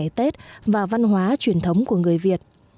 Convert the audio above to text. ngày tết và văn hóa truyền thống của người việt